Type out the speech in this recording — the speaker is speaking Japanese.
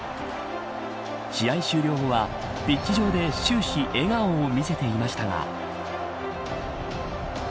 試合終了後は、ピッチ上で終始、笑顔を見せていましたが。